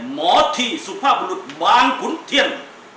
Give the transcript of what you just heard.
หมอที่สุภาพบุรุษบางขุนเทียน